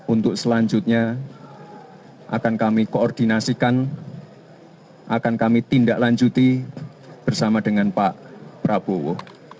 untuk selanjutnya akan kami koordinasikan akan kami tindak lanjuti bersama dengan pak prabowo